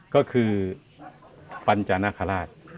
ก็คือปัญจานคราช